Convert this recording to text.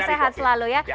sehat selalu ya